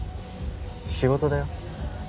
仕事だよ？